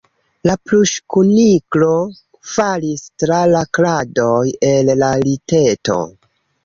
La pluŝkuniklo falis tra la kradoj el la liteto.